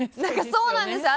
そうなんですよ！